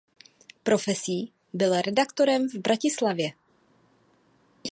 Profesí byl redaktorem v Bratislavě.